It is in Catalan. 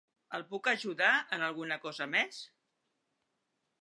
El puc ajudar amb alguna ajuda més?